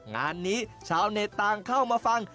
งานนี้ชาวเน็ตต่างเข้ามาฟัง